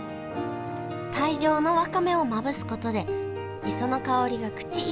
大量のわかめをまぶすことで磯の香りが口いっぱいに広がります。